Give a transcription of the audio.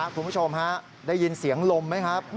คุณผู้ชมฮะได้ยินเสียงลมไหมครับ